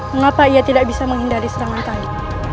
mengapa ia tidak bisa menghindari serangan air